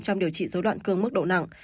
trong điều trị dấu loạn cương mức độ nặng